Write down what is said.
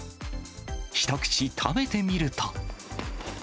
一口食べてみると。